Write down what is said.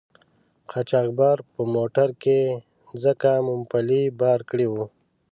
قاچاقبر په موټر کې ځکه مومپلي بار کړي وو.